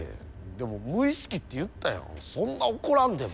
でも無意識って言ったやんそんな怒らんでも。